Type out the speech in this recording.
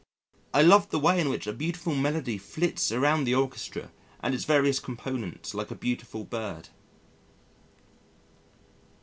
I love the way in which a beautiful melody flits around the Orchestra and its various components like a beautiful bird.